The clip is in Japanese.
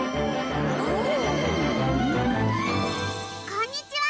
こんにちは！